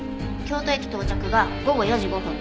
京都駅到着が午後４時５分。